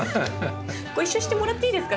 ご一緒してもらっていいですか？